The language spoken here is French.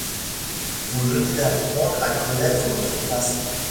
Vous venez d’apprendre à connaître votre place.